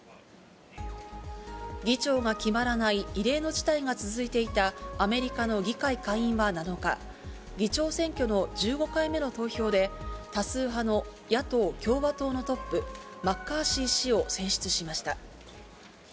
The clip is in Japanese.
議長が決まらない異例の事態が続いていた、アメリカの議会下院は７日、議長選挙の１５回目の投票で、多数派の野党・共和党のトップ、マッカーシー氏を選出しました。